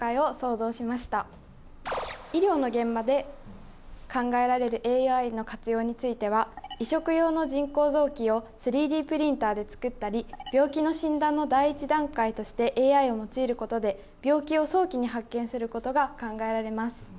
医療の現場で考えられるＡＩの活用については移植用の人工臓器を３Ｄプリンターで作ったり病気の診断の第一段階としてＡＩを用いることで病気を早期に発見することが考えられます。